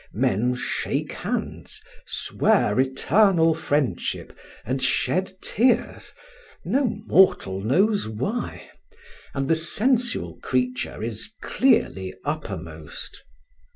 Men shake hands, swear eternal friendship, and shed tears, no mortal knows why; and the sensual creature is clearly uppermost.